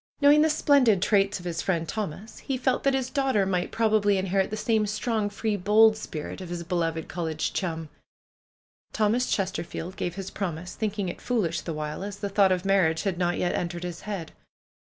Knowing the splendid traits of his friend Thomas, he felt that his daughter might prob ably inherit the same strong, free, bold spirit of his be loved college chum. Thomas Chesterfield gave his promise, thinking it foolish the while, as the thought of marriage had not yet entered his head.